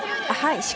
はい。